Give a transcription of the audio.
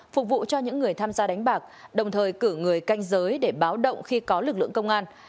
phục vụ cho những người tham gia đánh bạc đồng thời cử người canh giới để báo động khi có lực lượng công an